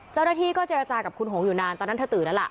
เจ้าหน้าที่ก็เจรจากับคุณหงอยู่นานตอนนั้นเธอตื่นแล้วล่ะ